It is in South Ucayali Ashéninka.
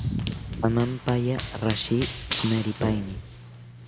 Amampaya rashi tsimeripaini